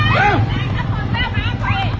ถ่ายข้าวไป